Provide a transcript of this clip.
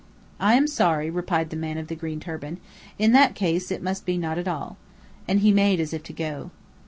"I am sorry," replied the man of the green turban. "In that case, it must be not at all." And he made as if to go.